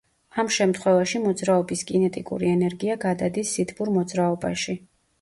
ამ შემთხვევაში მოძრაობის კინეტიკური ენერგია გადადის სითბურ მოძრაობაში.